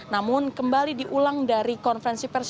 namun kembali diulang dari konferensi pers